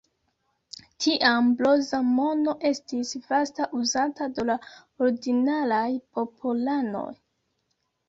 Tiam bronza mono estis vasta uzata de la ordinaraj popolanoj.